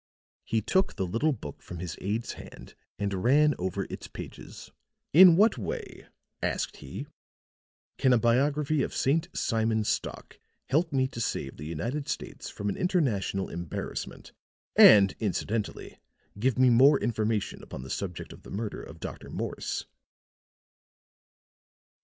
He took the little book from his aide's hand and ran over its pages. "In what way," asked he, "can a biography of St. Simon Stock help me to save the United States from an international embarrassment and incidentally give me more information upon the subject of the murder of Dr. Morse?"